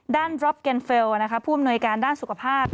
ด้านดรอ๊ปเก็นเฟลล์นะคะผู้อำนวยการด้านสุขภาพ